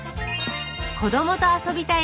子どもと遊びたい